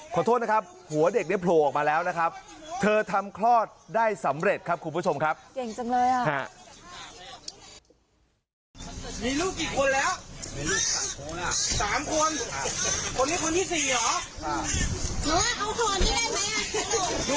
ขอโทษนะครับหัวเด็กเนี่ยโผล่ออกมาแล้วนะครับเธอทำคลอดได้สำเร็จครับคุณผู้ชมครับเก่งจังเลยอ่ะ